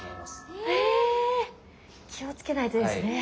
えっ気をつけないとですね。